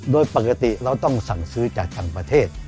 โดยปกติเราต้องสั่งซื้อจากต่างประเทศ